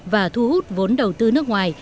và thu hút vốn đầu tư nước ngoài